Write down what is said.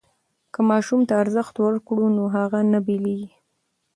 که ماشوم ته ارزښت ورکړو نو هغه نه بېلېږي.